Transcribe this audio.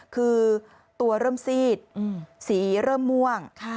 คือตัวเริ่มซีดสีเริ่มม่วง